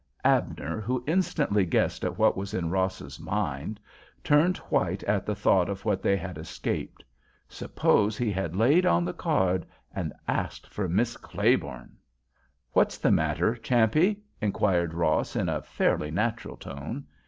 Abner, who instantly guessed at what was in Ross's mind, turned white at the thought of what they had escaped. Suppose he had laid on the card and asked for Miss Claiborne! "What's the matter, Champe?" inquired Ross, in a fairly natural tone.